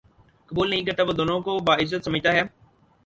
قبول نہیں کرتا وہ دونوں کو باعزت سمجھتا ہے